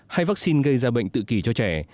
hay vaccine gây ra bệnh tự kỳ cho trẻ